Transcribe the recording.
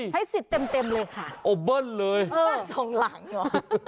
ใช้สิทธิ์เต็มเลยค่ะโอเบิ้ลเลยเออสองหลังเหรอ